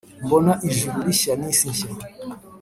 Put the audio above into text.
Mbona ijuru rishya n’isi nshya,